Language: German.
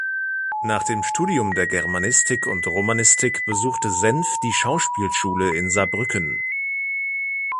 Nach dem Studium der Germanistik und Romanistik besuchte Senf die Schauspielschule in Saarbrücken.